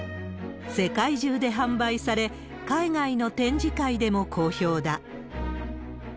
世界中で販売され、海外の展示会でも好評だ。